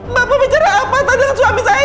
bapak bicara apa tadi dengan suami saya